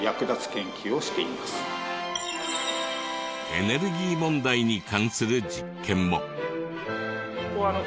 エネルギー問題に関する実験も。